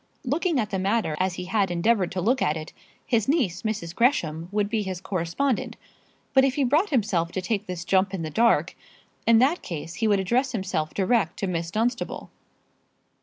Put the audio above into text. Looking at the matter as he had endeavoured to look at it, his niece, Mrs. Gresham, would be his correspondent; but if he brought himself to take this jump in the dark, in that case he would address himself direct to Miss Dunstable.